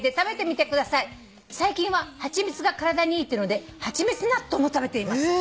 「最近は蜂蜜が体にいいっていうので蜂蜜納豆も食べています」